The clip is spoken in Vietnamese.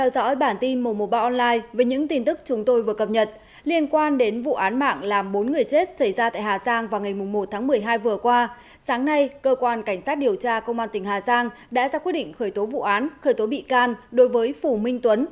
cảm ơn các bạn đã theo dõi